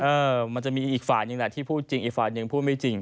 เออมันจะมีอีกฝ่ายหนึ่งแหละที่พูดจริงอีกฝ่ายหนึ่งพูดไม่จริง